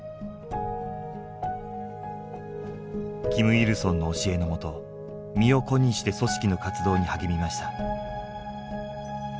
キムイルソンの教えのもと身を粉にして組織の活動に励みました。